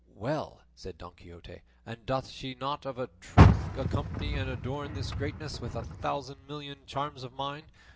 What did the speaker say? "Well!" said Don Quixote, "and doth she not of a truth accompany and adorn this greatness with a thousand million charms of mind!